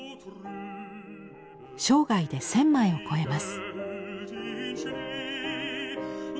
生涯で１，０００枚を超えます。